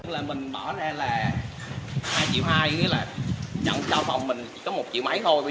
và mình nói thẳng luôn các bạn là hai triệu hai đối với mình là nó giống như rác vậy các bạn